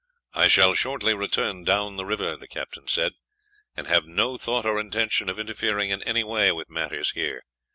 "I shall shortly return down the river," he said, "and have no thought or intention of interfering in any way with matters here.